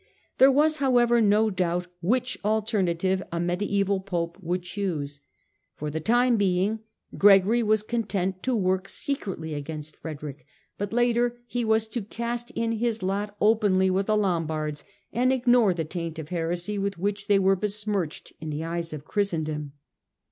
There was, however, no doubt which alternative a mediaeval Pope would chose. For the time being Gregory was content to work secretly against Frederick, but later he was to cast in his lot openly with the Lombards and ignore the taint of heresy with which they were besmirched in the eyes of Christen dom.